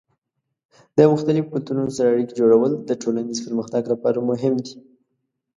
د مختلفو کلتورونو سره اړیکې جوړول د ټولنیز پرمختګ لپاره مهم دي.